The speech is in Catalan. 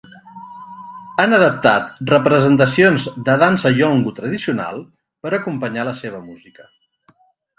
Han adaptat representacions de dansa Yolngu tradicional per acompanyar la seva música.